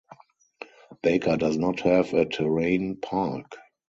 Baker does not have a terrain park.